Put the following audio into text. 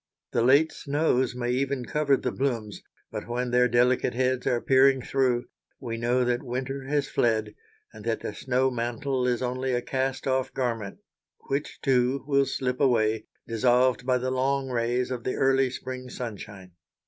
The late snows may even cover the blooms, but when their delicate heads are peering through, we know that winter has fled, and that the snow mantle is only a cast off garment which, too, will slip away, dissolved by the long rays of the early spring sunshine.